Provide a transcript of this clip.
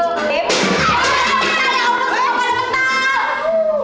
ah ya ampun ya ampun